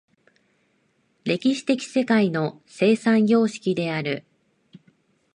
歴史的世界の生産様式である。